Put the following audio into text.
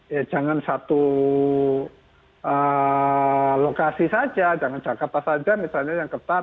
ya jangan satu lokasi saja jangan jakarta saja misalnya yang ketat